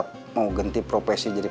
pldigsize sehelir baik baik kalian